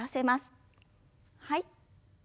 はい。